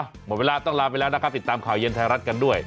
หมดเวลาต้องลาไปแล้วนะครับติดตามข่าวเย็นไทยรัฐกันด้วย